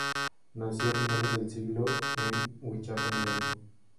Nació a finales del siglo en Huichapan, Hidalgo.